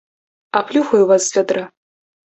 Аплюхаю вас з вядра.